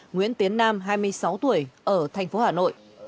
nguyễn tiến nam hai mươi sáu tuổi ở tp hà nội